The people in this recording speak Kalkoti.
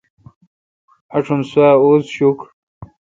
آݭم سوا اوز شوکھ۔